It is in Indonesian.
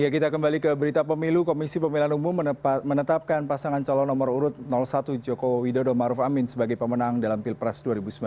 kita kembali ke berita pemilu komisi pemilihan umum menetapkan pasangan calon nomor urut satu joko widodo maruf amin sebagai pemenang dalam pilpres dua ribu sembilan belas